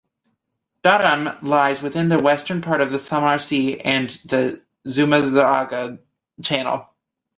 Daram lies within the western part of Samar Sea and the Zumarraga Channel.